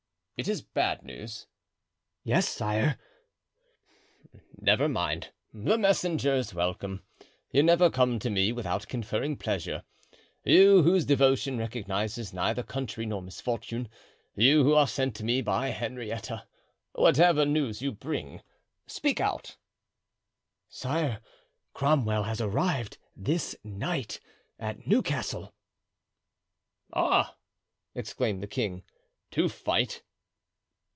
"It is bad news?" "Yes, sire." "Never mind; the messenger is welcome. You never come to me without conferring pleasure. You whose devotion recognizes neither country nor misfortune, you who are sent to me by Henrietta; whatever news you bring, speak out." "Sire, Cromwell has arrived this night at Newcastle." "Ah!" exclaimed the king, "to fight?"